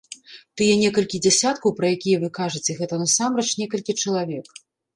Тыя некалькі дзесяткаў, пра якія вы кажаце, гэта насамрэч некалькі чалавек.